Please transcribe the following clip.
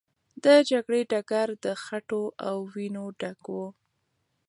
د جګړې ډګر د خټو او وینو ډک و.